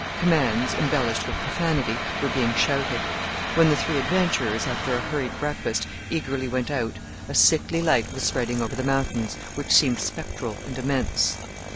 Commands, embellished with profanity, were being shouted. When the three adventurers, after a hurried breakfast, eagerly went out a sickly light was spreading over the mountains, which seemed spectral and immense.